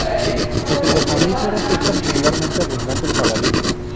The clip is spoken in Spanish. Entre los mamíferos es particularmente abundante el jabalí.